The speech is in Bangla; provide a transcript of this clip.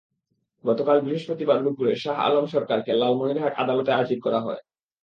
গতকাল বৃহস্পতিবার দুপুরে শাহ আলম সরকারকে লালমনিরহাট আদালতে হাজির করা হয়।